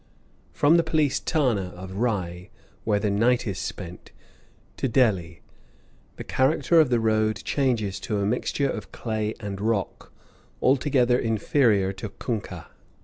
From the police thana of Rai, where the night is spent, to Delhi, the character of the road changes to a mixture of clay and rock, altogether inferior to kunkah.